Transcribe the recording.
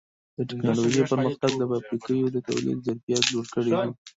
د ټکنالوجۍ پرمختګ د فابریکو د تولید ظرفیت لوړ کړی دی.